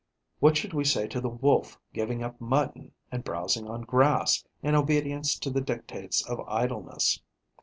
What should we say to the Wolf giving up mutton and browsing on grass, in obedience to the dictates of idleness?